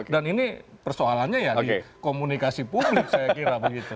dan ini persoalannya ya di komunikasi publik saya kira begitu